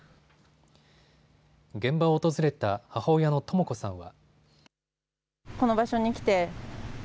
現場を訪れた母親のとも子さんは。